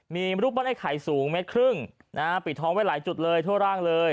มีรูปปั้นไอ้ไข่สูงเมตรครึ่งนะฮะปิดท้องไว้หลายจุดเลยทั่วร่างเลย